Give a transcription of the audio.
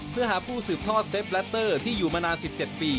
เพื่อหาผู้สืบทอดเซฟแลตเตอร์ที่อยู่มานาน๑๗ปี